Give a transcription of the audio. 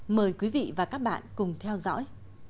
mời quý vị và các bạn cùng theo dõi